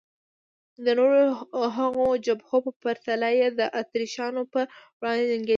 د نورو هغو جبهو په پرتله چې د اتریشیانو په وړاندې جنګېدې.